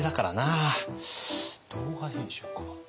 動画編集か。